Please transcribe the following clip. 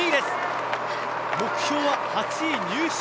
目標は８位入賞。